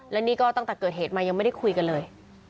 และนี่ก็ตั้งแต่เกิดเหตุมายังไม่ได้คุยกันเลย